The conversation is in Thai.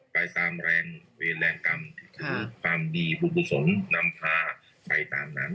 ไปตามแรงวิทย์แรงกรรมที่ถือความดีผู้ผู้สนนำพาไปตามนั้น